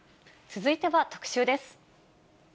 続いては特集です。